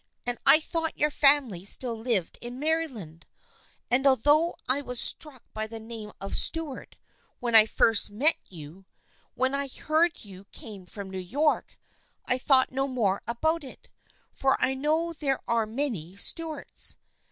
And I thought your family still lived in Maryland, and although I was struck by the name of Stuart when I first met you, when I heard you came from New York I thought no more about it, for I know there are many Stuarts.